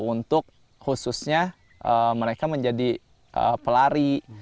untuk khususnya mereka menjadi pelari